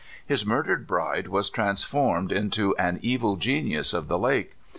His murdered bride was trans formed into an evil genius of the lake.